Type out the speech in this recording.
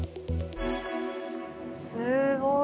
すごい。